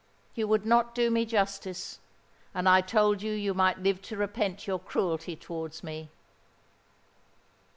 You would not do me justice—and I told you that you might live to repent your cruelty towards me!"